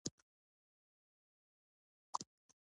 کثافات په کثافت دانۍ کې واچوه